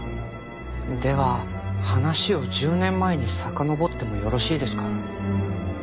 では話を１０年前にさかのぼってもよろしいですか？